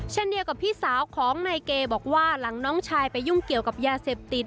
เช่นเดียวกับพี่สาวของนายเกบอกว่าหลังน้องชายไปยุ่งเกี่ยวกับยาเสพติด